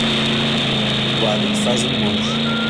O hábito faz o monge